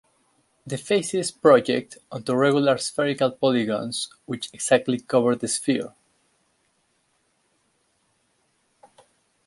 The faces project onto regular spherical polygons which exactly cover the sphere.